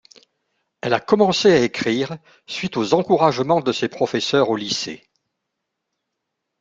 Elle a commencé à écrire suite aux encouragements de ses professeurs au lycée.